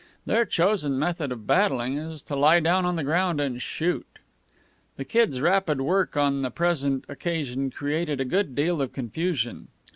Their chosen method of battling is to lie down on the ground and shoot. The Kid's rapid work on the present occasion created a good deal of confusion.